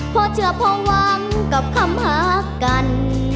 พอเชื่อพอหวังกับคำหากัน